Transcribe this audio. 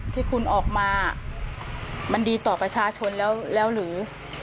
ที่คุณออกมามันดีต่อประชาชนแล้วหรือ